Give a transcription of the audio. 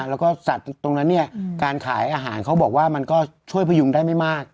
แล้วก็สัตว์ตรงนั้นเนี่ยการขายอาหารเขาบอกว่ามันก็ช่วยพยุงได้ไม่มาก